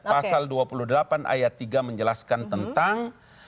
pasal dua puluh delapan ayat tiga menjelaskan tentang